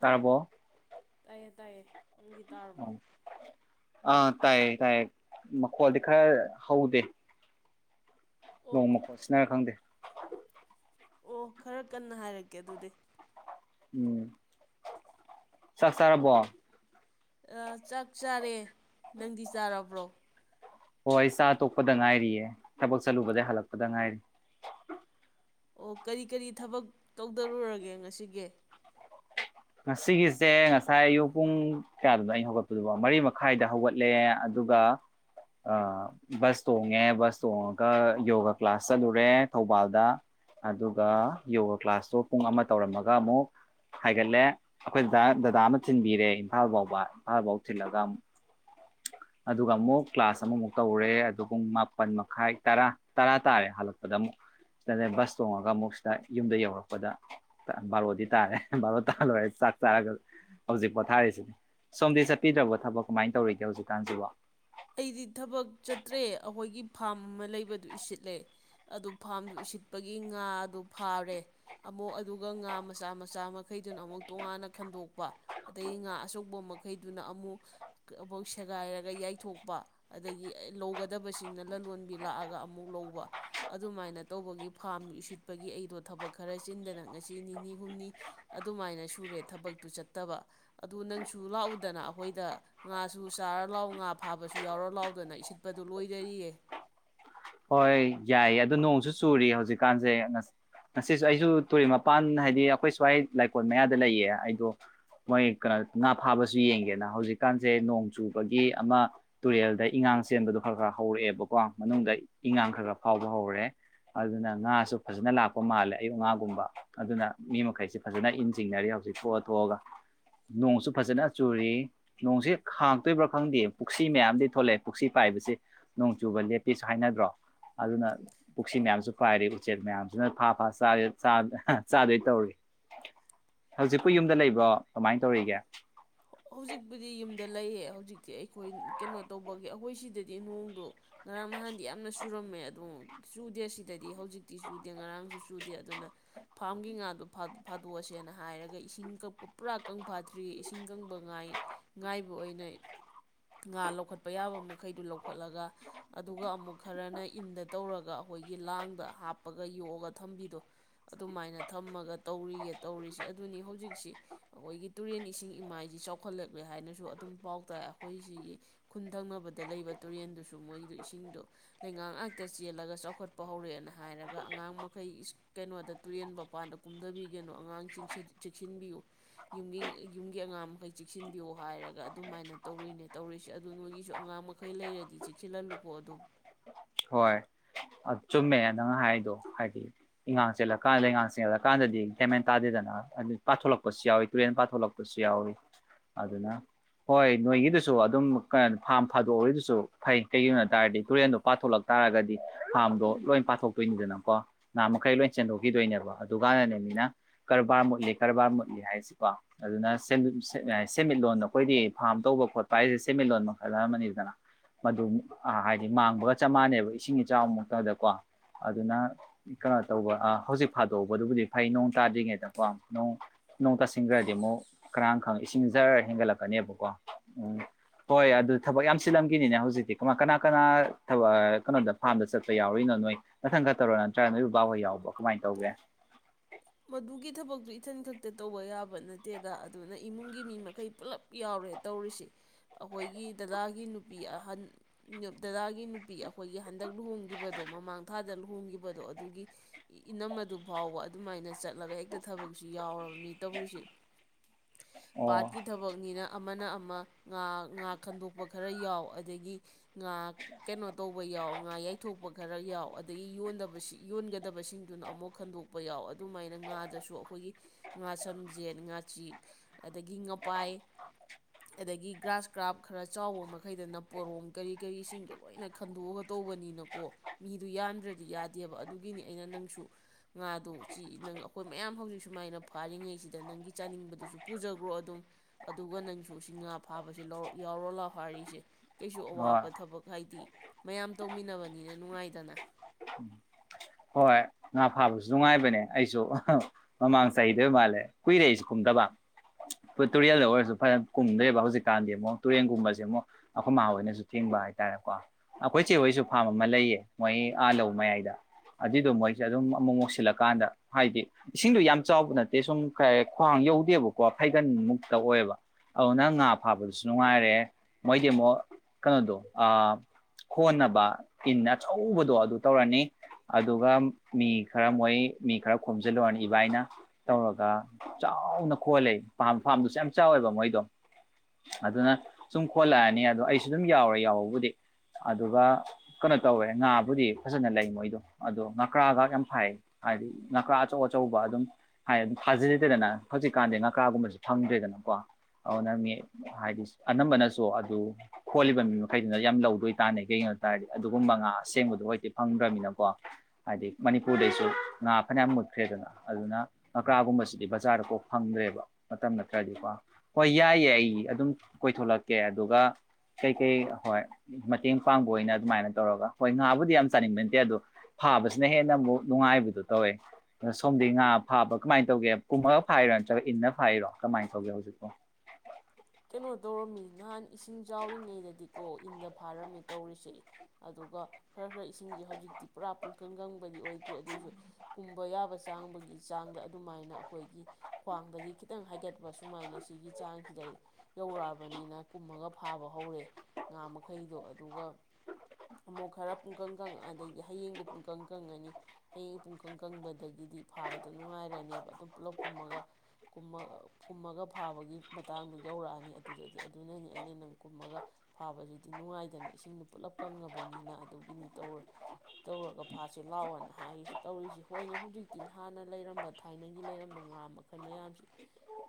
ꯇꯥꯔꯕꯣ ꯇꯥꯏꯌꯦ ꯇꯥꯏꯌꯦ ꯅꯪꯒꯤ ꯇꯥꯔꯕꯣ ꯑ ꯇꯥꯏ ꯗꯌꯦꯛ ꯃꯈꯣꯜꯗꯤ ꯈꯔ ꯍꯧꯗꯦ ꯅꯣꯡ ꯑꯣ ꯃꯈꯣꯜ ꯁꯤꯅꯔ ꯈꯪꯗꯦ ꯑꯣ ꯈꯔ ꯀꯟꯅ ꯍꯥꯏꯔꯛꯀꯦ ꯑꯗꯨꯗꯤ ꯎꯝ ꯆꯥꯛ ꯆꯔꯔꯕꯣ ꯆꯥꯛ ꯆꯥꯔꯦ ꯅꯪꯗꯤ ꯆꯥꯔꯕ꯭ꯔꯣ ꯍꯣꯏ ꯆꯥ ꯇꯣꯛꯄꯗ ꯉꯥꯏꯔꯤꯌꯦ ꯊꯕꯛ ꯆꯠꯂꯨꯕꯗꯒꯤꯩ ꯍꯜꯂꯛꯄꯗ ꯉꯥꯏꯔꯤ ꯑꯣ ꯀꯔꯤ ꯀꯔꯤ ꯊꯕꯛ ꯇꯧꯗꯔꯨꯔꯒꯦ ꯉꯁꯤꯒꯤ ꯉꯁꯤꯒꯤꯁꯦ ꯉꯁꯥꯏ ꯑꯌꯨꯛ ꯄꯨꯡ ꯀꯌꯥꯗꯨꯅ ꯑꯩꯅ ꯍꯧꯒꯠꯄꯗꯨꯕ ꯃꯔꯤ ꯃꯈꯥꯏꯗ ꯍꯧꯒꯠꯂꯦ ꯑꯗꯨꯒ ꯕꯁ ꯇꯣꯡꯉꯦ ꯕꯁ ꯇꯣꯡꯉꯒ ꯌꯣꯒꯥ ꯀ꯭ꯂꯥꯁ ꯆꯠꯂꯨꯔꯦ ꯊꯧꯕꯥꯜꯗ ꯑꯗꯨꯒ ꯌꯣꯒꯥ ꯀ꯭ꯂꯥꯁꯇꯣ ꯄꯨꯡ ꯑꯃ ꯇꯧꯔꯝꯃꯒ ꯑꯃꯨꯛ ꯍꯥꯏꯒꯠꯂꯦ ꯑꯩꯈꯣꯏ ꯗꯗꯥ ꯗꯗꯥ ꯑꯃ ꯊꯤꯟꯕꯤꯔꯦ ꯏꯝꯐꯥꯜ ꯐꯥꯎꯕ ꯏꯝꯐꯥꯜ ꯐꯥꯎ ꯊꯤꯜꯂꯒ ꯑꯃꯨꯛ ꯑꯗꯨꯒ ꯑꯃꯨꯛ ꯀ꯭ꯂꯥꯁ ꯑꯃꯃꯨꯛ ꯇꯧꯔꯦ ꯑꯗꯨꯒ ꯄꯨꯡ ꯃꯥꯄꯜ ꯃꯈꯥꯏ ꯇꯔꯥ ꯇꯔꯥ ꯇꯥꯔꯦ ꯍꯜꯂꯛꯄꯗ ꯑꯃꯨꯛ ꯁꯤꯗꯗ ꯕꯁ ꯇꯣꯡꯉꯒ ꯑꯃꯨꯛ ꯁꯤꯗ ꯌꯨꯝꯗ ꯌꯧꯔꯛꯄꯗ ꯕꯥꯔꯣꯗꯤ ꯇꯥꯔꯦ ꯕꯥꯔꯣ ꯇꯥ ꯂꯣꯏꯔꯦ ꯆꯥꯛ ꯆꯥꯔꯒ ꯍꯧꯖꯤꯛ ꯄꯣꯊꯥꯔꯤꯁꯤꯗꯤ ꯁꯣꯝꯗꯤ ꯆꯠꯄꯤꯗ꯭ꯔꯕ ꯊꯕꯛ ꯀꯃꯥꯏꯅ ꯇꯧꯔꯤꯒꯦ ꯍꯧꯖꯤꯛꯀꯥꯟꯁꯤꯕꯣ ꯑꯩꯗꯤ ꯊꯕꯛ ꯆꯠꯇ꯭ꯔꯦ ꯑꯩꯈꯣꯏꯒꯤ ꯐꯥꯔꯝ ꯑꯃ ꯂꯩꯕꯗꯨ ꯏꯁꯤꯠꯂꯦ ꯑꯗꯨ ꯐꯥꯔꯝꯗꯨ ꯏꯁꯤꯠꯄꯒꯤ ꯉꯥ ꯑꯗꯨ ꯐꯥꯔꯦ ꯑꯃꯨꯛ ꯑꯗꯨꯒ ꯉꯥ ꯃꯆꯥ ꯃꯆꯥ ꯃꯈꯩꯗꯨꯅ ꯑꯃꯨꯛ ꯇꯣꯉꯥꯟꯅ ꯈꯟꯗꯣꯛꯄ ꯑꯗꯗꯒꯤ ꯉꯥ ꯑꯆꯧꯕ ꯃꯈꯩꯗꯨꯅ ꯑꯃꯨꯛ ꯑꯃꯨꯛ ꯁꯦꯒꯥꯏꯔꯒ ꯌꯥꯏꯊꯣꯛ ꯑꯗꯒꯤ ꯂꯧꯒꯗꯕꯁꯤꯡꯅ ꯂꯂꯣꯟꯕꯤ ꯂꯥꯛꯑꯒ ꯑꯃꯨꯛ ꯂꯧꯕ ꯑꯗꯨꯃꯥꯏꯅ ꯇꯧꯕꯒꯤ ꯐꯥꯝꯗꯨ ꯏꯁꯤꯠꯄꯒꯤ ꯑꯩꯗꯣ ꯊꯕꯛ ꯈꯔ ꯆꯤꯟꯗꯅ ꯉꯁꯤ ꯅꯤꯅꯤ ꯍꯨꯝꯅꯤ ꯑꯗꯨꯃꯥꯏꯅ ꯁꯨꯔꯦ ꯊꯕꯛꯇꯨ ꯆꯠꯇꯕ ꯑꯗꯨ ꯅꯪꯁꯨ ꯂꯥꯛꯎꯗꯅ ꯑꯩꯈꯣꯏꯗ ꯉꯥꯁꯨ ꯆꯥꯔ ꯂꯥꯎ ꯉꯥ ꯑꯐꯥꯕꯁꯨ ꯌꯥꯎꯔ ꯂꯥꯎꯗꯅ ꯏꯁꯤꯠꯄꯗꯨ ꯂꯣꯏꯗꯔꯤꯌꯦ ꯍꯣꯏ ꯌꯥꯏꯌꯦ ꯑꯗ ꯅꯣꯡꯁꯨ ꯆꯨꯔꯤ ꯍꯧꯖꯤꯛꯀꯥꯟꯁꯦ ꯉꯁꯤꯁꯨ ꯑꯩꯁꯨ ꯇꯨꯔꯦꯜ ꯃꯄꯥꯟ ꯍꯥꯏꯗꯤ ꯑꯩꯈꯣꯏ ꯁ꯭ꯋꯥꯏ ꯂꯥꯏꯀꯣꯟ ꯃꯌꯥꯗ ꯂꯩꯌꯦ ꯑꯩꯗꯣ ꯃꯣꯏ ꯀꯩꯅꯣ ꯉꯥ ꯐꯥꯕꯁꯨ ꯌꯦꯡꯒꯦꯅ ꯍꯧꯖꯤꯛꯀꯥꯟꯁꯦ ꯅꯣꯡ ꯆꯨꯕꯒꯤ ꯑꯃ ꯇꯨꯔꯦꯜꯗ ꯏꯉꯥꯡ ꯆꯦꯟꯕꯗꯣ ꯈꯔ ꯈꯔ ꯍꯧꯔꯛꯑꯦꯕꯀꯣ ꯃꯅꯨꯡꯗ ꯏꯉꯥꯡ ꯈꯔ ꯈꯔ ꯐꯥꯎꯕ ꯍꯧꯔꯦ ꯑꯗꯨꯅ ꯉꯥꯁꯨ ꯐꯖꯅ ꯂꯥꯛꯄ ꯃꯥꯜꯂꯦ ꯑꯌꯨꯛ ꯉꯥꯒꯨꯝꯕ ꯑꯗꯨꯅ ꯃꯤ ꯃꯈꯩꯁꯤ ꯐꯖꯅ ꯏꯟ ꯆꯤꯡꯅꯔꯤ ꯍꯧꯖꯤꯛ ꯊꯣꯛꯑ ꯊꯣꯛꯑꯒ ꯅꯣꯡꯁꯨ ꯐꯖꯅ ꯆꯨꯔꯤ ꯅꯣꯡꯁꯤ ꯈꯥꯡꯇꯣꯏꯕ꯭ꯔꯥ ꯈꯪꯗꯦ ꯄꯨꯛꯁꯤ ꯃꯌꯥꯝꯗꯤ ꯊꯣꯛꯂꯛꯑꯦ ꯄꯨꯛꯁꯤ ꯄꯥꯏꯕꯁꯤ ꯅꯣꯡ ꯆꯨꯕ ꯂꯦꯞꯄꯤꯁꯨ ꯍꯥꯏꯅ ꯭ꯑꯗꯨꯅ ꯄꯨꯁꯤ ꯃꯌꯥꯝꯁꯨ ꯄꯥꯏꯔꯤ ꯎꯆꯦꯛ ꯃꯌꯥꯝꯁꯨꯅ ꯐꯥ ꯆꯥꯗꯣꯏ ꯇꯧꯔꯤ ꯍꯧꯖꯤꯛꯄꯨ ꯌꯨꯝꯗ ꯂꯩꯕ꯭ꯔꯣ ꯀꯃꯥꯏꯅ ꯇꯧꯔꯤꯒꯦ ꯍꯧꯖꯤꯛꯄꯨꯗꯤ ꯌꯨꯝꯗ ꯂꯩꯌꯦ ꯍꯧꯖꯤꯛꯇꯤ ꯑꯩꯈꯣꯏ ꯀꯩꯅꯣ ꯇꯧꯕꯒꯤ ꯑꯩꯈꯣꯏ ꯁꯤꯗꯗꯤ ꯅꯣꯡꯗꯣ ꯉꯔꯥꯡ ꯅꯍꯥꯟꯗꯤ ꯌꯥꯝꯅ ꯁꯨꯔꯝ ꯨꯝꯃꯦ ꯑꯗꯨꯝ ꯆꯨꯗꯦ ꯁꯤꯗꯗꯤ ꯍꯧꯖꯤꯛꯇꯤ ꯆꯨꯗꯦ ꯉꯔꯥꯡꯁꯨ ꯆꯨꯗꯦ ꯑꯗꯨꯅ ꯐꯥꯝꯒꯤ ꯉꯥꯗꯣ ꯐꯥꯗꯣꯛꯑꯁꯦꯅ ꯍꯥꯏꯔꯒ ꯏꯁꯤꯡ ꯄꯨꯔꯥ ꯀꯪ ꯐꯥꯗ꯭ꯔꯤ ꯏꯁꯤꯡ ꯀꯪꯕ ꯉꯥꯥꯏ ꯉꯥꯏꯕ ꯑꯣꯏꯅ ꯉꯥ ꯂꯧꯈꯠꯄ ꯌꯥꯕ ꯃꯈꯩꯗꯨ ꯂꯧꯈꯠꯂꯒ ꯑꯗꯨꯒ ꯑꯃꯨꯛ ꯈꯔꯅ ꯏꯟꯗ ꯇꯧꯔꯒ ꯑꯩꯈꯣꯏꯒꯤ ꯂꯥꯡꯗ ꯍꯥꯞꯄꯒ ꯌꯣꯛꯑꯒ ꯊꯝꯕꯤꯗꯣ ꯑꯗꯨꯃꯥꯏꯅ ꯊꯝꯃꯒ ꯇꯧꯔꯤꯒꯦ ꯇꯧꯔꯤꯁꯤ ꯑꯗꯨꯅꯤ ꯍꯧꯖꯤꯛꯁꯤ ꯑꯩꯈꯣꯏꯒꯤ ꯇꯨꯔꯦꯟ ꯏꯁꯤꯡ ꯏꯃꯥꯏꯁꯤ ꯆꯥꯎ ꯆꯥꯎꯈꯠꯂꯛꯂꯦ ꯍꯥꯏꯅꯁꯨ ꯑꯗꯨꯝ ꯄꯥꯎ ꯇꯥꯏ ꯑꯩꯈꯣꯏ ꯁꯤꯒꯤ ꯈꯨꯟ ꯊꯪꯅꯕꯗ ꯂꯩꯕ ꯇꯨꯔꯦꯟꯗꯨꯁꯨ ꯃꯣꯏꯗꯨ ꯏꯁꯤꯡꯗꯣ ꯂꯩꯉꯥꯛ ꯉꯥꯛꯇ ꯆꯦꯜꯂꯒ ꯆꯥꯎꯈꯠꯄ ꯍꯧꯔꯛꯑꯦꯅ ꯍꯥꯏꯔꯒ ꯑꯉꯥꯡ ꯃꯈꯩ ꯀꯩꯅꯣꯗ ꯇꯨꯔꯦꯟ ꯃꯄꯥꯟꯗ ꯀꯨꯝꯊꯕꯤꯒꯅꯨ ꯑꯉꯥꯡ ꯆꯦꯛꯁꯤꯟꯕꯤꯌꯨ ꯌꯨꯝꯒꯤ ꯌꯨꯝꯒꯤ ꯑꯉꯥꯡ ꯃꯈꯩ ꯆꯦꯛꯁꯤꯟꯕꯤꯌꯣ ꯍꯥꯏꯔꯒ ꯑꯗꯨꯃꯥꯏꯅ ꯇꯧꯔꯤꯅꯦ ꯇꯧꯔꯤꯁꯦ ꯑꯗꯨ ꯅꯣꯏꯒꯤꯁꯨ ꯑꯉꯥꯡ ꯃꯈꯩ ꯂꯩꯔꯗꯤ ꯆꯦꯛꯁꯤꯜꯍꯜꯂꯨꯀꯣ ꯑꯗꯨꯗꯣ ꯍꯣꯏ ꯑꯗꯨ ꯆꯨꯝꯃꯦ ꯅꯪ ꯍꯥꯏꯗꯣ ꯍꯥꯏꯗꯤ ꯏꯉꯥꯡ ꯆꯦꯜꯂꯀꯥꯟꯗꯉꯥꯡ ꯆꯦꯜꯂꯀꯥꯟꯗꯗꯤ ꯀꯩꯃꯦꯟ ꯇꯥꯗꯦꯗꯅ ꯑꯗꯨ ꯄꯥꯊꯣꯛꯂꯛꯄꯁꯨ ꯌꯥꯎꯏꯤ ꯇꯨꯔꯦꯟ ꯄꯥꯊꯣꯛꯂꯛꯄꯁꯨ ꯌꯥꯎꯏ ꯑꯗꯨꯅ ꯍꯣꯏ ꯅꯣꯏꯒꯤꯗꯨꯁꯨ ꯑꯗꯨꯝ ꯀꯩꯅ ꯐꯥꯝ ꯐꯥꯗꯣꯛꯎꯔꯤꯗꯨꯁꯨ ꯐꯩ ꯀꯩꯒꯤꯅꯣ ꯍꯥꯏ ꯇꯔꯗꯤ ꯇꯨꯔꯦꯟꯗꯣ ꯄꯥꯊꯣꯛꯂꯛ ꯇꯥꯔꯒꯗꯤ ꯐꯥꯔꯝꯗꯣ ꯂꯣꯏ ꯄꯥꯊꯣꯛꯇꯣꯏꯅꯤꯗꯅꯀꯣ ꯉꯍ ꯃꯈꯩ ꯂꯣꯏ ꯆꯦꯟꯊꯣꯛꯈꯤꯗꯣꯏꯅꯦꯕ ꯑꯗꯨꯀꯥꯟꯗꯅꯦ ꯃꯤꯅ ꯀꯔꯕꯥꯔ ꯃꯨꯠꯂꯤ ꯀꯔꯕꯥꯔ ꯃꯨꯠꯂꯤ ꯍꯥꯏꯁꯤꯀꯣ ꯑꯗꯨꯅ ꯁꯦꯟꯃꯤꯠꯂꯣꯟꯗ ꯑꯩꯈꯣꯏꯗꯤ ꯐꯥꯔꯝ ꯇꯧꯕ ꯈꯣꯠꯄ ꯍꯥꯏꯁꯤ ꯁꯦꯟꯃꯤꯠꯂꯣꯟ ꯃꯈꯜ ꯑꯃꯅꯤ ꯑꯃꯅꯤꯗꯅ ꯃꯗꯨ ꯍꯥꯏꯗꯤ ꯃꯥꯡꯕ ꯆ ꯃꯥꯟꯅꯦꯕ ꯏꯁꯤꯡ ꯏꯆꯥꯎ ꯃꯛꯇꯗꯀꯣ ꯑꯗꯨꯅ ꯀꯩꯅꯣ ꯇꯧꯕ ꯍꯧꯖꯤꯛ ꯐꯥꯗꯣꯛꯕꯗꯨꯕꯨꯗꯤ ꯐꯩ ꯅꯣꯡ ꯇꯥꯗ꯭ꯔꯤꯉꯩꯗꯀꯣ ꯅꯣꯡ ꯅꯣꯡ ꯇꯥꯁꯤꯟꯈ꯭ꯔꯗꯤ ꯑꯃꯨꯛ ꯀꯔꯥꯡ ꯈꯪꯉꯦ ꯏꯁꯤꯡ ꯖꯔ ꯍꯦꯟꯒꯠꯂꯛꯀꯅꯦꯕꯀꯣ ꯎꯝ ꯍꯣꯏ ꯑꯗꯨ ꯊꯕꯛ ꯌꯥꯝ ꯆꯜꯂꯝꯈꯤꯅꯤꯅꯦ ꯍꯧꯖꯤꯛꯇꯤ ꯀꯃ ꯀꯅꯥ ꯀꯅꯥ ꯊꯕꯛ ꯀꯩꯅꯣꯗ ꯐꯥꯔꯝꯗ ꯆꯠꯄ ꯌꯥꯎꯔꯤꯅꯣ ꯅꯣꯏ ꯅꯊꯪ ꯈꯛꯇꯧꯔꯣ ꯅꯠꯇ꯭ꯔꯥ ꯅꯣꯏ ꯕꯥꯈꯣꯏ ꯌꯥꯎꯕ ꯀꯃꯥꯏꯅ ꯇꯧꯒꯦ ꯃꯗꯨꯒꯤ ꯊꯕꯛꯇꯨ ꯏꯊꯟ ꯈꯛꯇ ꯇꯧꯕ ꯌꯥꯕ ꯅꯠꯇꯦꯗ ꯑꯗꯨꯅ ꯏꯃꯨꯡꯒꯤ ꯃꯤ ꯃꯈꯩ ꯄꯨꯜꯂꯞ ꯌꯥꯎꯔꯦ ꯇꯧꯔꯤꯁꯤꯦ ꯑꯩꯈꯣꯏꯒꯤ ꯗꯗꯥꯒꯤ ꯅꯨꯄꯤ ꯗꯗꯥꯒꯤ ꯅꯨꯄꯤ ꯑꯩꯈꯣꯏꯒꯤ ꯍꯟꯗꯛ ꯂꯨꯍꯣꯡꯈꯤꯕꯗꯣ ꯃꯃꯥꯡ ꯊꯥꯗ ꯂꯨꯍꯣꯡꯈꯤꯕꯗꯣ ꯑꯗꯨꯒꯤ ꯏꯅꯝ ꯑꯗꯨ ꯐꯥꯎꯕ ꯑꯗꯨꯃꯥꯏꯅ ꯆꯠꯂꯒ ꯍꯦꯛꯇ ꯊꯕꯛꯁꯤ ꯌꯥꯎꯔꯕꯅꯤ ꯇꯧꯔꯤꯁꯦ ꯑꯣ ꯄꯥꯠꯀꯤ ꯊꯕꯛꯅꯤꯅ ꯑꯃꯅ ꯑꯃ ꯉꯥ ꯉꯥ ꯈꯟꯗꯣꯛꯄ ꯈꯔ ꯌꯥꯎ ꯑꯗꯒꯤ ꯉꯥ ꯀꯩꯅꯣ ꯇꯧꯕ ꯌꯥꯎ ꯉꯥ ꯌꯩꯊꯣꯛꯄ ꯈꯔ ꯌꯥꯎ ꯑꯗꯒꯤ ꯌꯣꯟꯗꯕ ꯌꯣꯟꯒꯗꯕꯁꯤꯡꯗꯨꯅ ꯑꯃꯨꯛ ꯈꯟꯗꯣꯛꯄ ꯌꯥꯎ ꯑꯗꯨꯃꯥꯏꯅ ꯉꯥꯗꯁꯨ ꯑꯈꯣꯢꯒꯤꯉꯥ ꯁꯔꯨꯁꯦ ꯉꯥꯆꯤꯛ ꯑꯗꯒꯤ ꯉꯥꯄꯥꯢ ꯑꯗꯒꯤ ꯒ꯭ꯔꯥꯁ ꯀ꯭ꯔꯥꯞ ꯈꯔ ꯆꯥꯎꯕ ꯃꯈꯩꯗꯨꯅ ꯄꯣꯔꯣꯡ ꯀꯔꯤ ꯀꯔꯤꯁꯤꯡꯗꯣ ꯂꯣꯏꯅ ꯈꯟꯗꯣꯛꯑꯒ ꯇꯧꯕꯅꯤꯅꯀꯣ ꯃꯤꯗꯨ ꯌꯥꯟꯗ꯭ꯔꯗꯤ ꯌꯥꯗꯦꯕ ꯑꯗꯨꯒꯤꯅꯤ ꯑꯩꯅ ꯅꯪꯁꯨ ꯉꯥꯗꯣ ꯁꯤ ꯅꯪ ꯑꯩꯈꯣꯏ ꯃꯌꯥꯝ ꯍꯧꯖꯤꯛ ꯁꯨꯃꯥꯏꯅ ꯐꯥꯔꯤꯉꯩꯁꯤꯗ ꯅꯪꯒꯤ ꯆꯥꯅꯤꯡꯕꯗꯨꯁꯨ ꯄꯨꯖꯈ꯭ꯔꯣ ꯑꯗꯨꯝ ꯑꯗꯨꯒ ꯅꯪꯁꯨ ꯁꯤ ꯉꯥ ꯐꯥꯕꯕꯁꯤ ꯌꯥꯎꯔꯣ ꯂꯥꯎꯑꯣ ꯐꯥꯔꯤꯁꯦ ꯀꯩꯁꯨ ꯍꯣꯏ ꯑꯋꯥꯕ ꯊꯕꯛ ꯍꯥꯏꯗꯤ ꯃꯌꯥꯝ ꯇꯧꯃꯤꯟꯅꯕꯅꯤꯅ ꯅꯨꯡꯉꯥꯏꯗꯅ ꯍꯣꯏ ꯉꯥ ꯐꯥꯕꯁꯨ ꯅꯨꯡꯉꯥꯏꯕꯅꯦ ꯑꯩꯁꯨ ꯑꯍ ꯃꯃꯥꯡ ꯆꯍꯤꯗꯣꯏ ꯃꯥꯜꯂꯦ ꯀꯨꯏꯔꯦ ꯑꯩꯁꯨ ꯀꯨꯝꯗꯕ ꯇꯨꯔꯦꯜ ꯑꯣꯏꯔꯁꯨ ꯐꯖꯅ ꯀꯨꯝꯗꯦꯕ ꯍꯧꯖꯤꯛꯀꯥꯟꯗꯤ ꯑꯃꯨꯛ ꯇꯨꯔꯦꯜꯒꯨꯝꯕꯁꯦ ꯑꯃꯨꯛ ꯑꯩꯈꯣꯏ ꯃꯥꯍꯣꯏꯅꯁꯨ ꯊꯤꯡꯕ ꯍꯥꯏꯇꯥꯔꯦꯀꯣ ꯑꯩꯈꯣꯏ ꯆꯦ ꯍꯣꯏꯁꯨ ꯐꯥꯝ ꯑꯃ ꯂꯩꯌꯦ ꯃꯣꯏ ꯑꯥ ꯂꯧ ꯃꯌꯥꯏꯗ ꯑꯗꯨꯗꯣ ꯃꯣꯏ ꯁꯦ ꯑꯗꯨꯝ ꯑꯃꯨꯛ ꯃꯣꯠꯁꯤꯜꯂꯀꯥꯟꯗ ꯍꯥꯏꯗꯤ ꯏꯁꯤꯡꯗꯣ ꯌꯥꯝ ꯆꯥꯎꯕ ꯅꯠꯇꯦ ꯁꯨꯝ ꯀꯩ ꯈ꯭ꯋꯥꯡ ꯌꯧꯗꯦꯕꯀꯣ ꯐꯩꯒꯟ ꯃꯨꯛꯇ ꯑꯣꯏꯕ ꯑꯗꯨꯅ ꯉꯥ ꯐꯥꯕꯗꯨꯁꯨ ꯅꯨꯡꯉꯥꯏꯔꯦ ꯃꯣꯏꯗꯤ ꯑꯃꯨꯛ ꯀꯩꯅꯣꯗꯣ ꯑꯥ ꯍꯣꯟꯅꯕ ꯏꯟꯅ ꯑꯆꯧꯕꯗꯣ ꯑꯗꯨ ꯇꯧꯔꯅꯤ ꯑꯗꯨꯒ ꯃꯤ ꯈꯔ ꯃꯣꯏ ꯃꯤ ꯈꯔ ꯈꯣꯝꯖꯤꯜꯂꯨꯔꯅꯤ ꯏꯕꯥꯏꯅ ꯇꯧꯔꯒ ꯆꯥꯎꯅ ꯈꯣꯂꯦ ꯄꯥꯝꯕ ꯐꯥꯝꯗꯨꯁꯨ ꯌꯥꯝ ꯆꯥꯎꯋꯦꯕ ꯃꯣꯏꯗꯣ ꯑꯗꯨꯅ ꯁꯨꯝ ꯈꯣꯜꯂꯛꯑꯅꯤ ꯑꯗꯣ ꯑꯩꯁꯨ ꯑꯗꯨꯝ ꯌꯥꯎꯔꯦ ꯌꯥꯎꯕꯕꯨꯗꯤ ꯑꯗꯨꯒ ꯀꯩꯅꯣ ꯇꯧꯋꯦ ꯉꯥꯕꯨꯗꯤ ꯐꯖꯅ ꯂꯩ ꯃꯣꯏꯗꯣ ꯑꯗꯣ ꯉ ꯉꯀ꯭ꯔꯥꯒꯥ ꯌꯥꯝ ꯐꯩ ꯍꯥꯏꯗꯤ ꯉꯀ꯭ꯔꯥ ꯑꯆꯧ ꯑꯆꯧꯕ ꯑꯗꯨꯝ ꯍꯥꯏꯗꯤ ꯑꯗꯨꯝ ꯐꯥꯖꯤ ꯂꯩꯗꯦꯗꯅ ꯍꯧꯖꯤꯛꯀꯥꯟꯗꯤ ꯉꯀ꯭ꯔꯥꯒꯨꯝꯕꯁꯨ ꯐꯪꯗ꯭ꯔꯦꯗꯅꯀꯣ ꯑꯗꯨꯅ ꯃꯤ ꯍꯥꯏꯗꯤ ꯑꯅꯝꯕꯅꯁꯨ ꯑꯗꯨ ꯈꯣꯜꯂꯤꯕ ꯃꯤ ꯃꯈꯩꯗꯨꯅ ꯌꯥꯝ ꯂꯧꯗꯣꯏ ꯇꯥꯅꯩ ꯀꯩꯒꯤꯅꯣ ꯍꯥꯢ ꯇꯥꯔꯒꯗꯤ ꯑꯗꯨꯒꯨꯝꯕ ꯉꯥ ꯑꯁꯦꯡꯕꯗꯣ ꯍꯧꯇꯤ ꯐꯪꯗ꯭ꯔꯕꯅꯤꯅꯀꯣ ꯍꯥꯏꯗꯤ ꯃꯅꯤꯄꯨꯔꯗꯩꯁꯨ ꯉꯥ ꯐꯅꯌꯥꯝ ꯃꯨꯠꯈ꯭ꯔꯦꯗꯅ ꯑꯗꯨꯅ ꯉꯀ꯭ꯔꯥꯒꯨꯝꯕꯁꯤꯗꯤ ꯕꯖꯥꯔꯗ ꯀꯣꯛ ꯐꯪꯗ꯭ꯔꯦꯕ ꯃꯇꯝ ꯅꯠꯇ꯭ꯔꯗꯤꯀꯣ ꯍꯣꯏ ꯌꯥꯏꯌꯦ ꯑꯩ ꯑꯗꯨꯝ ꯀꯣꯏꯊꯣꯂꯛꯀꯦ ꯑꯗꯨꯒ ꯀꯩꯀꯩ ꯍꯣꯏ ꯃꯇꯦꯡ ꯄꯥꯡꯕ ꯑꯣꯏꯅ ꯑꯗꯨꯃꯥꯏꯅ ꯇꯧꯔꯒ ꯍꯣꯏ ꯉꯥꯕꯨꯗꯤ ꯌꯥꯝ ꯆꯥꯅꯤꯡꯕ ꯅꯇꯦ ꯑꯗꯣ ꯐꯥꯕꯁꯤꯅ ꯍꯦꯟꯅ ꯑꯃꯨꯛ ꯅꯨꯡꯉꯥꯏꯕꯗꯣ ꯇꯧꯋꯦ ꯁꯣꯝꯗꯤ ꯉꯥ ꯐꯥꯕ ꯀꯃꯥꯏꯅ ꯇꯧꯒꯦ ꯀꯨꯝꯃꯒ ꯐꯥꯏꯔꯣ ꯅꯠꯇ꯭ꯔꯒ ꯏꯟꯅ ꯐꯥꯏꯔꯤꯔꯣ ꯀꯃꯥꯏꯅ ꯇꯧꯒꯦ ꯍꯧꯖꯤꯛꯄꯣ ꯀꯩꯅꯣ ꯅꯍꯥꯟ ꯏꯁꯤꯡ ꯆꯥꯎꯔꯤꯉꯩꯗꯗꯤ ꯀꯣ ꯏꯟꯗ ꯐꯥꯔꯝꯃꯦ ꯇꯧꯔꯤꯁꯦ ꯑꯗꯨꯒ ꯈꯔ ꯈꯔ ꯏꯁꯤꯡꯁꯦ ꯍꯧꯖꯤꯛꯇꯤ ꯄꯨꯔꯥ ꯄꯨꯡꯀꯪꯀꯪꯕꯗꯤ ꯑꯣꯏꯗ꯭ꯔꯦ ꯑꯗꯨꯑꯣꯏꯁꯨ ꯀꯨꯝꯕ ꯌꯥꯕ ꯆꯥꯡꯕꯨꯗꯤ ꯆꯥꯡꯗ ꯑꯗꯨꯃꯥꯏꯅ ꯑꯩꯈꯣꯏꯒꯤ ꯈ꯭ꯋꯥꯡꯗꯒꯤ ꯈꯤꯇꯪ ꯍꯥꯏꯒꯠꯄ ꯁꯨꯃꯥꯏꯅ ꯁꯤꯒꯤ ꯆꯥꯡꯁꯤꯗ ꯌꯧꯔꯛꯑꯕꯅꯤꯅ ꯀꯨꯝꯃꯒ ꯐꯥꯕ ꯍꯧꯔꯦ ꯉꯥ ꯃꯈꯩꯗꯣ ꯑꯗꯨꯒ ꯑꯃꯨꯛ ꯈꯔ ꯄꯨꯡꯀꯪ ꯀꯪ ꯑꯗꯩꯗꯤ ꯍꯌꯦꯡꯗꯤ ꯄꯨꯡꯀꯪ ꯀꯪꯉꯅꯤ ꯍꯌꯦꯡ ꯄꯨꯡꯀꯪ ꯀꯪꯕꯗꯒꯤꯗꯤ ꯐꯥꯕꯗꯣ ꯅꯨꯡꯉꯥꯏꯔꯅꯦꯕ ꯑꯗꯨꯝ ꯄꯨꯜꯂꯞ ꯀꯨꯝꯃꯒ ꯀꯨꯝꯃꯒ ꯐꯥꯕꯒꯤ ꯃꯇꯥꯡꯗꯨ ꯌꯧꯔꯛꯑꯅꯤ ꯑꯗꯨꯗꯗꯤ ꯑꯗꯨꯅꯅꯤ ꯑꯩꯅ ꯅꯪ ꯀꯨꯝꯃꯒ ꯐꯥꯕꯁꯤꯗꯤ ꯅꯨꯡꯉꯥꯏꯗꯅ ꯏꯁꯤꯡꯗꯨꯣ ꯄꯨꯜꯂꯞ ꯀꯪꯉꯕꯅꯤꯅ ꯑꯗꯨꯒꯤꯅꯤ ꯇꯧꯔ ꯇꯧꯔꯒ ꯐꯥꯁꯦ ꯂꯥꯎꯑꯣꯅ ꯍꯥꯏꯔꯤꯁꯤ ꯇꯧꯔꯤꯁꯤ ꯍꯣꯏꯅꯦ ꯍꯧꯖꯤꯛꯇꯤ ꯍꯥꯟꯅ ꯂꯩꯔꯝꯕ ꯊꯥꯏꯅꯒꯤ ꯂꯩꯔꯝꯕ ꯉꯥ ꯃꯈꯜ ꯃꯌꯥꯝꯁꯤ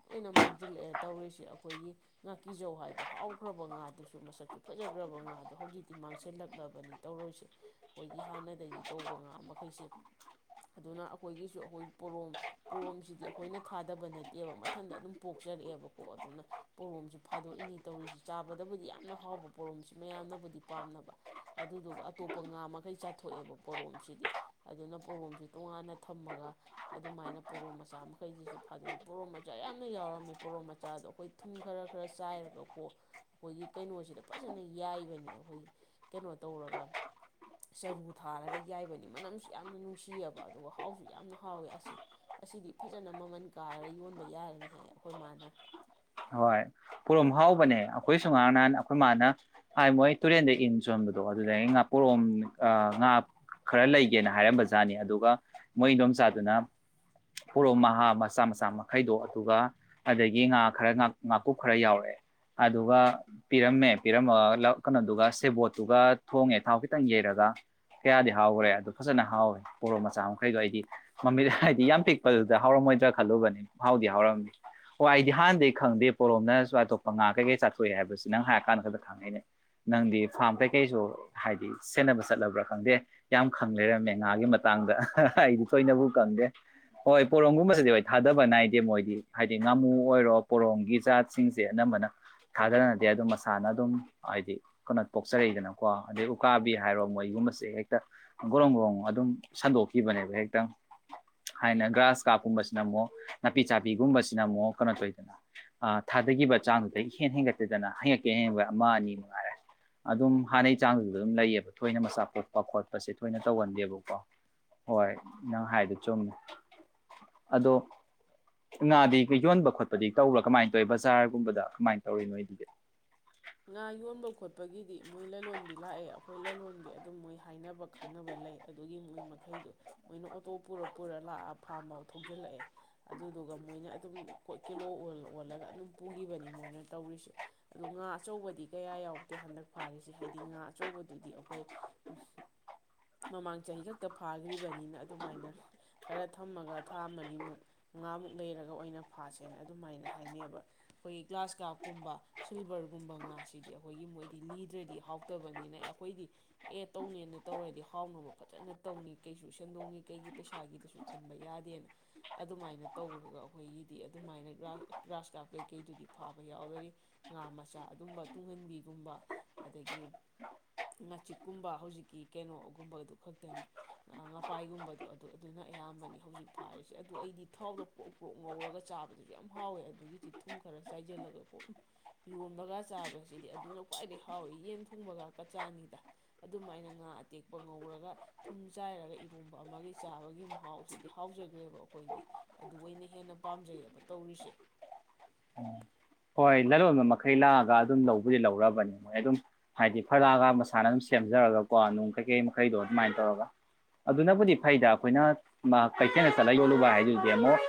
ꯂꯣꯏꯅ ꯃꯥꯡꯁꯤꯜꯂꯛꯑꯦ ꯇꯧꯔꯤꯁꯤ ꯑꯩꯈꯣꯏꯒꯤ ꯉꯥꯀꯤꯖꯧ ꯍꯥꯏꯕ ꯍꯥꯎꯈ꯭ꯔꯕ ꯉꯥꯗꯨꯁꯨ ꯃꯁꯛꯁꯨ ꯐꯖꯈ꯭ꯔꯕ ꯉꯥꯗꯣ ꯍꯧꯖꯤꯛꯇꯤ ꯃꯥꯡꯁꯤꯜꯂꯛꯂꯕꯅꯤ ꯇꯧꯔꯣꯏꯁꯦ ꯑꯩꯈꯣꯏꯒꯤ ꯍꯥꯟꯅꯗꯒꯤ ꯇꯧꯕ ꯉꯥ ꯃꯈꯩꯁꯦ ꯑꯗꯨꯅ ꯑꯩꯈꯣꯏꯒꯤꯁꯨ ꯑꯩꯈꯣꯏ ꯄꯣꯔꯣꯝ ꯄꯣꯔꯣꯝꯁꯤꯗꯤ ꯑꯩꯈꯣꯏꯅ ꯊꯥꯗꯕ ꯅꯠꯇꯦꯕ ꯃꯊꯟꯇ ꯑꯗꯨꯝ ꯄꯣꯛꯆꯔꯛꯑꯦꯕꯀꯣ ꯑꯗꯨꯅ ꯄꯣꯔꯣꯝꯁꯤ ꯐꯥꯗꯣꯛꯏꯅꯤ ꯇꯧꯔꯤꯁꯤ ꯆꯥꯕꯗꯕꯨꯗꯤ ꯌꯥꯝꯅ ꯍꯥꯎꯕ ꯄꯣꯔꯣꯝꯁꯤ ꯃꯌꯥꯝꯅꯕꯨꯗꯤ ꯄꯥꯝꯅꯕ ꯑꯗꯨꯗꯨꯒ ꯑꯇꯣꯞꯄ ꯉꯥ ꯃꯈꯩ ꯆꯥꯊꯣꯛꯑꯦꯕ ꯄꯣꯔꯣꯝꯁꯤꯗꯤ ꯑꯗꯨꯅ ꯄꯣꯔꯣꯝꯁꯤ ꯇꯣꯉꯥꯟꯅ ꯊꯝꯃꯒ ꯑꯗꯨꯃꯥꯏꯅ ꯄꯣꯔꯣꯝ ꯃꯆꯥ ꯃꯈꯩꯁꯤꯁꯨ ꯐꯥꯗꯣꯛꯏ ꯄꯣꯔꯣꯝ ꯃꯆꯥ ꯌꯥꯝꯅ ꯌꯥꯎꯔꯝꯃꯤ ꯄꯣꯔꯣꯝ ꯃꯆꯥꯗꯣ ꯑꯩꯈꯣꯏ ꯊꯨꯝ ꯈꯔ ꯈꯔ ꯆꯥꯏꯔꯒꯀꯣ ꯑꯩꯈꯣꯏꯒꯤ ꯀꯩꯅꯣꯁꯤꯗ ꯐꯖꯅ ꯌꯥꯏꯕꯅꯤ ꯑꯩꯈꯣꯏ ꯀꯩꯅꯣ ꯇꯧꯔꯒ ꯆꯔꯨ ꯊꯥꯔꯒ ꯌꯥꯏꯕꯅꯤ ꯃꯅꯝꯁꯨ ꯌꯥꯝꯅ ꯅꯨꯡꯁꯤꯑꯕ ꯑꯗꯨꯒ ꯍꯥꯎꯁꯨ ꯌꯥꯝꯅ ꯍꯥꯎꯋꯦ ꯑꯁꯤ ꯑꯁꯤꯗꯤ ꯐꯖꯅ ꯃꯃꯜ ꯀꯥꯔꯒ ꯌꯣꯟꯕ ꯌꯥꯔꯅꯤ ꯍꯥꯏ ꯑꯩꯈꯣꯏ ꯃꯥꯅ ꯍꯣꯏ ꯄꯣꯔꯣꯝ ꯍꯥꯎꯕꯅꯦ ꯑꯩꯈꯣꯏ ꯁꯨ ꯉꯔꯥꯡ ꯅꯍꯥꯟ ꯑꯩꯈꯣꯏ ꯃꯥꯅ ꯍꯥꯏ ꯃꯣꯏ ꯇꯨꯔꯦꯟꯗ ꯏꯟ ꯁꯣꯟꯕꯗꯣ ꯑꯗꯨꯗ ꯉꯥ ꯄꯣꯔꯣꯝ ꯉꯥ ꯈꯔ ꯂꯩꯒꯦꯅ ꯍꯥꯏꯔꯝꯕ ꯖꯥꯠꯅꯤ ꯑꯗꯨꯒ ꯃꯣꯏ ꯏꯗꯣꯝꯆꯥꯗꯨꯅ ꯄꯣꯔꯣꯝ ꯃꯍꯥ ꯃꯆꯥ ꯃꯆꯥ ꯃꯈꯩꯗꯣ ꯑꯗꯨꯒ ꯑꯗꯒꯤ ꯉꯥ ꯈꯔ ꯉꯥꯀꯨꯞ ꯈꯔ ꯌꯥꯎꯔꯛꯑꯦ ꯑꯗꯨꯒ ꯄꯤꯔꯝꯃꯦ ꯄꯤꯔꯝꯃꯒ ꯀꯩꯅꯣꯗꯨꯒ ꯁꯦꯕꯣꯠꯇꯨꯒ ꯊꯣꯡꯉꯦ ꯊꯥꯎ ꯈꯤꯇꯪ ꯌꯩꯔꯒ ꯀꯌꯥꯗꯤ ꯍꯥꯎꯈ꯭ꯔꯦ ꯑꯗꯨ ꯐꯖꯅ ꯍꯥꯎꯋꯦ ꯄꯣꯔꯣꯝ ꯃꯆꯥ ꯃꯈꯩꯗꯣ ꯑꯩꯗꯤ ꯃꯃꯤꯠ ꯍꯥꯏꯗꯤ ꯌꯥꯝ ꯄꯤꯛꯄꯗꯨꯗ ꯍꯥꯎꯔꯝꯃꯣꯏꯗ꯭ꯔꯥ ꯈꯜꯂꯨꯕꯅꯤ ꯍꯥꯎꯗꯤ ꯍꯥꯎꯔꯝꯃꯤ ꯍꯣꯏ ꯑꯩꯗꯤ ꯍꯥꯟꯅꯗꯤ ꯑꯩ ꯈꯪꯗꯦ ꯄꯣꯔꯣꯝꯅꯁꯨ ꯑꯇꯣꯞꯄ ꯉꯥ ꯀꯩꯀꯩ ꯆꯥꯊꯣꯛꯑꯏ ꯍꯥꯏꯕꯁꯤ ꯅꯪ ꯍꯥꯏꯔ ꯀꯥꯟ ꯗ ꯈꯛꯇ ꯈꯪꯉꯤꯅꯦ ꯅꯪꯗꯤ ꯐꯥꯝ ꯀꯩꯀꯩꯁꯨ ꯍꯥꯏꯗꯤ ꯁꯦꯟꯅꯕ ꯆꯠꯂꯕ꯭ꯔꯥ ꯈꯪꯗꯦ ꯌꯥꯝ ꯈꯪ ꯂꯩꯔꯝꯃꯦ ꯉꯥꯒꯤ ꯃꯇꯥꯡꯗ ꯍꯥ ꯍꯥ ꯑꯩꯗꯤ ꯊꯣꯏꯅꯕꯨ ꯈꯪꯗꯦ ꯍꯣꯏ ꯄꯣꯔꯣꯝꯒꯨꯝꯕꯁꯤꯗꯤ ꯍꯣꯏ ꯊꯥꯗꯕ ꯅꯥꯏꯗꯦ ꯃꯣꯏꯗꯤ ꯍꯥꯏꯗꯤ ꯉꯥꯃꯨ ꯑꯣꯏꯔꯣ ꯄꯣꯔꯣꯡꯝꯒꯤ ꯖꯥꯠꯁꯤꯡꯁꯦ ꯑꯅꯝꯕꯅ ꯊꯥꯗꯅꯗꯦ ꯑꯗꯨꯝ ꯃꯁꯥꯅ ꯑꯗꯨꯝ ꯍꯥꯏꯗꯤ ꯀꯩꯅꯣ ꯄꯣꯛꯆꯔꯛꯏꯗꯅꯀꯣ ꯑꯗꯩ ꯎꯀꯥꯕꯤ ꯍꯥꯏꯔꯣ ꯃꯣꯏꯒꯨꯝꯕꯁꯦ ꯍꯦꯛꯇ ꯒꯣꯔꯣꯡ ꯒꯣꯔꯣꯡ ꯑꯗꯨꯝ ꯁꯟꯗꯣꯛꯈꯤꯕꯅꯦꯕ ꯍꯦꯛꯇ ꯍꯥꯏꯅ ꯒ꯭ꯔꯥꯁ ꯀꯥꯞꯀꯨꯝꯕꯁꯤꯅ ꯑꯃꯨꯛ ꯅꯥꯄꯤ ꯆꯥꯄꯤꯒꯨꯝꯕꯁꯤꯅ ꯑꯃꯨꯛ ꯀꯩꯅꯣ ꯇꯧꯏꯗꯅ ꯊꯥꯗꯈꯤꯕ ꯆꯥꯡꯗꯨꯗꯒꯤ ꯏꯍꯦꯟ ꯍꯦꯟꯒꯠꯇꯦꯗꯅ ꯍꯦꯟꯒꯠꯀꯦ ꯍꯦꯟꯒꯠꯂꯕꯗ ꯑꯃ ꯑꯅꯤ ꯅꯨꯡꯉꯥꯏꯔꯦ ꯑꯗꯨꯝ ꯍꯥꯟꯅꯩ ꯆꯥꯡꯗꯨꯗ ꯑꯗꯨꯝ ꯂꯩꯌꯦꯕ ꯊꯣꯏꯅ ꯃꯆꯥ ꯄꯣꯛꯄ ꯈꯣꯠꯄꯁꯦ ꯊꯣꯏꯅ ꯇꯧꯒꯟꯗꯦꯕꯀꯣ ꯍꯣꯏ ꯅꯪ ꯍꯥꯏꯗꯣ ꯆꯨꯝꯃꯦ ꯑꯗꯣ ꯉꯥꯗꯤ ꯌꯣꯟꯕ ꯈꯣꯠꯄꯗꯤ ꯇꯧꯕꯔꯥ ꯀꯃꯥꯏꯅ ꯇꯧꯋꯤ ꯕꯖꯥꯔꯒꯨꯝꯕꯗ ꯀꯃꯥꯏꯅ ꯇꯧꯔꯤ ꯅꯣꯏꯗꯨꯗꯤ ꯉꯥ ꯌꯣꯟꯕ ꯈꯣꯠꯄꯒꯤꯗꯤ ꯃꯣꯏ ꯂꯂꯣꯟꯕꯤ ꯂꯥꯛꯑꯦ ꯑꯩꯈꯣꯏ ꯂꯂꯣꯟꯕꯤ ꯑꯗꯨꯝ ꯃꯣꯏ ꯍꯥꯏꯅꯕ ꯈꯪꯅꯕ ꯂꯩ ꯑꯗꯨꯒꯤ ꯃꯣꯏ ꯃꯈꯩꯗꯨꯣ ꯃꯣꯏꯅ ꯑꯣꯇꯣ ꯄꯨꯔ ꯄꯨꯔ ꯂꯥꯛꯑ ꯐꯥꯝꯐꯥꯎ ꯊꯧꯖꯤꯜꯂꯛꯑꯦ ꯑꯗꯨꯗꯨꯒ ꯃꯣꯏꯅ ꯑꯗꯨꯝ ꯄꯣꯠꯀꯤ ꯀꯤꯂꯣ ꯑꯣꯜꯂꯒ ꯑꯗꯨꯝ ꯄꯨꯒꯤꯕꯅꯤ ꯃꯣꯏꯅ ꯇꯧꯔꯤꯁꯦ ꯑꯗꯨ ꯉꯥ ꯑꯆꯧꯕꯗꯤ ꯀꯌꯥ ꯌꯥꯎꯗꯦ ꯍꯟꯗꯛ ꯐꯥꯔꯤꯁꯦ ꯍꯥꯏꯗꯤ ꯉꯥ ꯑꯆꯧꯕꯗꯨꯗꯤ ꯑꯩꯈꯣꯏ ꯃꯃꯥꯡ ꯆꯍꯤ ꯈꯛꯇ ꯐꯥꯒ꯭ꯔꯤꯕꯅꯤꯅ ꯑꯗꯨꯃꯥꯏꯅ ꯈꯔ ꯊꯝꯃꯒ ꯊꯥ ꯃꯔꯤꯃꯨꯛ ꯃꯉꯥꯃꯨꯛ ꯂꯩꯔꯒ ꯑꯣꯏꯅ ꯐꯥꯁꯦꯅ ꯑꯗꯨꯃꯥꯏꯅ ꯍꯥꯏꯅꯩꯌꯦꯕ ꯑꯩꯈꯣꯏꯒꯤ ꯒ꯭ꯂꯥꯁ ꯀꯥꯞꯀꯨꯝꯕ ꯁꯤꯜꯚꯔꯒꯨꯝꯕ ꯑꯗꯨꯒ ꯨꯝꯕ ꯉꯥꯁꯤꯗꯤ ꯑꯩꯈꯣꯏꯒꯤ ꯃꯣꯏꯗꯤ ꯂꯤꯗ꯭ꯔꯗꯤ ꯍꯥꯎꯇꯕꯅꯤꯅ ꯑꯦ ꯑꯩꯈꯣꯏꯗꯤ ꯑꯦ ꯇꯧꯅꯦꯅ ꯇꯧꯔꯗꯤ ꯍꯥꯎꯅꯕ ꯐꯖꯅ ꯇꯧꯅꯤ ꯀꯩꯁꯨ ꯁꯦꯟꯗꯣꯡ ꯀꯩꯒꯤ ꯄꯩꯁꯥꯒꯤꯗꯨꯁꯨ ꯈꯟꯕ ꯌꯥꯗꯦꯅ ꯑꯗꯨꯃꯥꯏꯅ ꯇꯧꯔꯒ ꯑꯩꯈꯣꯏꯒꯤꯗꯤ ꯑꯗꯨꯃꯥꯏꯅꯒ꯭ꯔꯥꯁ ꯒ꯭ꯔꯥꯁ ꯀꯥꯞ ꯀꯩꯀꯩꯗꯨꯗꯤ ꯐꯥꯕ ꯌꯥꯎꯔꯅꯤ ꯉꯥ ꯃꯆꯥ ꯃꯆꯥ ꯑꯗꯨꯝꯕ ꯇꯨꯡꯍꯟꯕꯤꯒꯨꯝꯕ ꯑꯗꯒꯤ ꯉꯥꯆꯤꯛꯀꯨꯝꯕ ꯍꯧꯖꯤꯛꯀꯤ ꯀꯩꯅꯣꯒꯨꯝꯕ ꯑꯗꯨ ꯈꯛꯇꯅꯤ ꯉꯥꯄꯥꯏꯒꯨꯝꯕꯗꯣ ꯑꯗꯨ ꯑꯗꯨꯅ ꯑꯌꯥꯝꯕꯅꯤ ꯍꯧꯖꯤꯛ ꯐꯥꯔꯤꯁꯦ ꯑꯗꯨ ꯑꯩꯗꯤ ꯊꯥꯎꯗꯣ ꯄ꯭ꯔꯣꯛ ꯄ꯭ꯔꯣꯛ ꯉꯧꯔꯒ ꯆꯥꯕꯗꯨꯁꯨ ꯌꯥꯝ ꯍꯥꯎꯋꯦ ꯑꯗꯨꯒꯤꯁꯤ ꯊꯨꯝ ꯈꯔ ꯆꯥꯏꯁꯤꯜꯂꯒ ꯀꯣꯛ ꯏꯔꯣꯝꯕꯒ ꯆꯥꯕꯁꯤꯗꯤ ꯑꯗꯨꯅ ꯈ꯭ꯋꯥꯏꯗꯩ ꯍꯥꯎꯋꯤ ꯌꯦꯟ ꯊꯣꯡꯕꯒ ꯀꯆꯥꯅꯤꯗ ꯑꯗꯨꯝꯥꯏꯅ ꯉꯥ ꯑꯇꯦꯛꯄ ꯉꯧꯔꯒ ꯊꯨꯝ ꯆꯥꯏꯔꯒ ꯏꯔꯣꯝꯕ ꯑꯃꯒꯤ ꯆꯥꯕꯒꯤ ꯃꯍꯥꯎꯁꯤꯗꯤ ꯍꯥꯎꯖꯈ꯭ꯔꯦꯕ ꯑꯩꯈꯣꯏꯗꯤ ꯑꯗꯨ ꯑꯣꯏꯅ ꯍꯦꯟꯅ ꯄꯥꯝꯖꯩꯑꯦꯕ ꯇꯧꯔꯤꯁꯤ ꯍꯣꯏ ꯂꯂꯣꯟꯕ ꯃꯈꯩ ꯂꯥꯛꯑꯒ ꯑꯗꯨꯝ ꯂꯧꯕꯨꯗꯤ ꯂꯧꯔꯕꯅꯦ ꯃꯣꯏ ꯑꯗꯨꯝ ꯍꯥꯏꯗꯤ ꯐꯂꯒ ꯃꯁꯥꯅ ꯑꯗꯨꯝ ꯁꯦꯝꯖꯔꯒꯀꯣ ꯅꯨꯡ ꯀꯩꯀꯩ ꯃꯈꯩꯗꯣ ꯑꯗꯨꯃꯥꯏꯅ ꯇꯧꯔꯒ ꯑꯗꯨꯅꯕꯨꯗꯤ ꯐꯩꯗ ꯑꯩꯈꯣꯏꯅ ꯀꯩꯊꯦꯜꯗ ꯆꯠꯂ ꯌꯣꯜꯂꯨꯕ ꯍꯥꯏꯗꯨꯗꯤ ꯑꯃꯨꯛ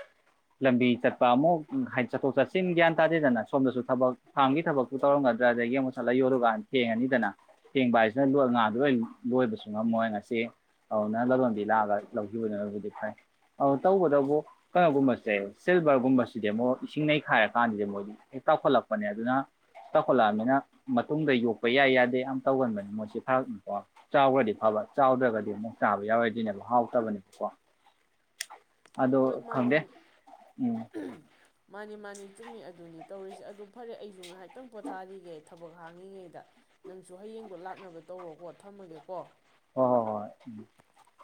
ꯂꯝꯕꯤ ꯆꯠꯄ ꯑꯃꯨꯛ ꯍꯥꯏꯗꯤ ꯆꯠꯊꯣꯛ ꯆꯠꯁꯤꯟ ꯒ꯭ꯌꯥꯟ ꯇꯥꯗꯦ ꯗꯦꯗꯅ ꯁꯣꯝꯗꯁꯨ ꯊꯕꯛ ꯐꯥꯝꯒꯤ ꯊꯕꯛꯄꯨ ꯇꯧꯝꯒꯗ꯭ꯔꯥ ꯑꯗꯒꯤ ꯆꯠꯂꯒ ꯌꯣꯂꯨꯀꯥꯟꯗ ꯊꯦꯡꯉꯅꯤꯗꯅ ꯊꯦꯡꯕ ꯍꯥꯏꯁꯤꯅ ꯉꯥꯗꯨ ꯂꯣꯏ ꯂꯣꯏꯕꯁꯨ ꯉꯝꯃꯣꯏ ꯉꯁꯤ ꯑꯗꯨꯅ ꯂꯂꯣꯟꯕꯤ ꯂꯥꯛꯑꯒ ꯂꯧꯒꯤꯕꯗꯨꯕꯨꯗꯤ ꯐꯩ ꯑꯗꯨ ꯇꯧꯕꯇꯕꯨ ꯀꯩꯅꯣꯒꯨꯝꯕꯁꯦ ꯁꯤꯜꯚꯔꯒꯨꯝꯕꯁꯤꯗꯤ ꯑꯃꯨꯛ ꯏꯁꯤꯡ ꯅꯩꯈꯥꯏꯔ ꯀꯥꯟꯗꯗꯤ ꯃꯣꯏ ꯍꯦꯛ ꯇꯥꯎꯈꯠꯂꯛꯄꯅꯦ ꯑꯗꯨꯅ ꯇꯥꯎꯈꯠꯂꯛꯑꯕꯅꯤꯅ ꯃꯇꯨꯡꯗ ꯌꯣꯛꯄ ꯌꯥꯏ ꯌꯥꯗꯦ ꯌꯥꯝ ꯇꯧꯒꯟꯕꯅꯦ ꯃꯣꯏꯁꯦꯔꯀꯣ ꯆꯥꯎꯒ꯭ꯔꯒꯗꯤ ꯐꯕ ꯆꯥꯎꯗ꯭ꯔꯒꯗꯤ ꯑꯃꯨꯛ ꯆꯥꯕ ꯌꯥꯎꯔꯗꯣꯏꯅꯦꯕ ꯍꯥꯎꯇꯕꯅꯦꯕꯀꯣ ꯑꯗꯣ ꯍꯣꯏ ꯃꯥꯅꯤ ꯈꯪꯗꯦ ꯎꯝ ꯃꯥꯅꯤ ꯃꯥꯅꯤ ꯆꯨꯝꯃꯤ ꯑꯗꯨꯅꯤ ꯇꯧꯔꯤꯁꯦ ꯑꯗꯨ ꯐꯔꯦ ꯑꯩꯁꯨ ꯉꯥꯏ ꯇꯪ ꯄꯣꯊꯥꯔꯤꯒꯦ ꯊꯕꯛ ꯍꯥꯡꯉꯤꯉꯩꯗ ꯅꯪꯁꯨ ꯍꯌꯦꯡꯗꯣ ꯂꯥꯛꯅꯕ ꯇꯧꯔꯣꯀꯣ ꯊꯝꯃꯒꯦꯀꯣ ꯍꯣꯏ ꯍꯣꯏ ꯍꯣꯏ